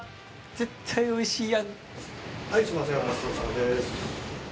絶対おいしいやつ。